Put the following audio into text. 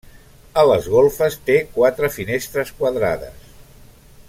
A les golfes té quatre finestres quadrades.